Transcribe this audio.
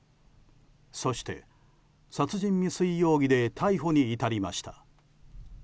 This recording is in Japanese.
そして、殺人未遂容疑で逮捕に至りました。